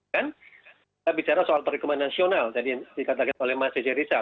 kita bicara soal perekaman nasional tadi yang dikatakan oleh mas ece riza